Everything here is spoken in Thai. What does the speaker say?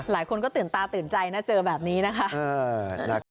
หลายคนก็ตื่นตาตื่นใจนะเจอแบบนี้นะคะ